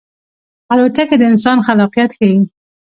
الوتکه د انسان خلاقیت ښيي.